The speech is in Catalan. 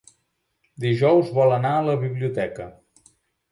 Dijous vol anar a la biblioteca.